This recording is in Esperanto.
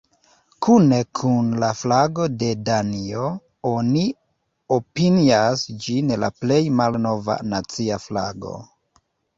Kune kun la flago de Danio, oni opinias ĝin la plej malnova nacia flago.